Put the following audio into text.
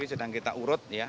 sedang kita urut ya